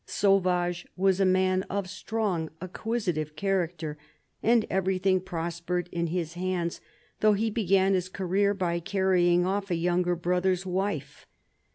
^ Sauvage was a man of strong, acquisitive character, and everything prospered in his hands, though he began his career by carrying off a younger brother's wife.